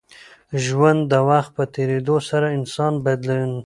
ژوند د وخت په تېرېدو سره انسان بدلوي.